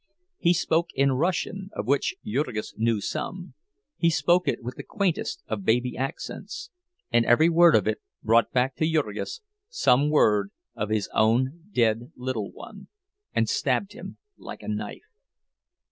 He spoke in Russian, of which Jurgis knew some; he spoke it with the quaintest of baby accents—and every word of it brought back to Jurgis some word of his own dead little one, and stabbed him like a knife.